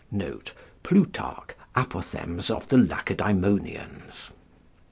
[Plutarch, Apothegms of the Lacedaemonians.